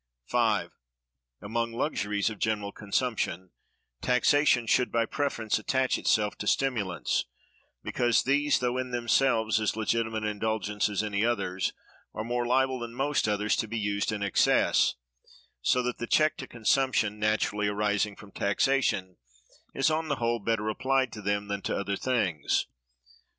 5. Among luxuries of general consumption, taxation should by preference attach itself to stimulants, because these, though in themselves as legitimate indulgences as any others, are more liable than most others to be used in excess, so that the check to consumption, naturally arising from taxation, is on the whole better applied to them than to other things.